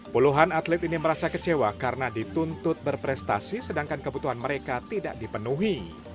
puluhan atlet ini merasa kecewa karena dituntut berprestasi sedangkan kebutuhan mereka tidak dipenuhi